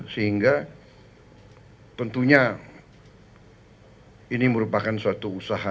sehingga tentunya ini merupakan suatu usaha